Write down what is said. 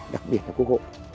đặc biệt là quốc hội